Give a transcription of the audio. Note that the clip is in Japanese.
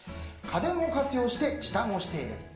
家電を活用して時短をしている。